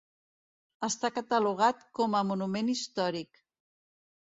Està catalogat com a Monument Històric.